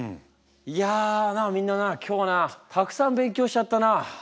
いやなあみんなな今日なたくさん勉強しちゃったな。